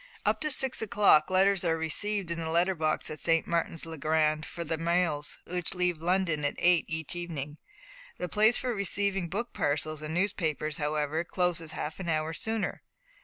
Up to six o'clock letters are received in the letter box at St. Martin's le Grand for the mails which leave London at eight each evening. The place for receiving book parcels and newspapers, however, closes half an hour sooner.